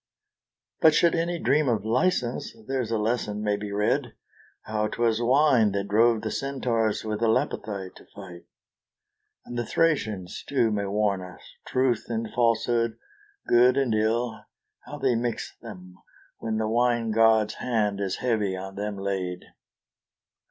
But should any dream of licence, there's a lesson may be read, How 'twas wine that drove the Centaurs with the Lapithae to fight. And the Thracians too may warn us; truth and falsehood, good and ill, How they mix them, when the wine god's hand is heavy on them laid!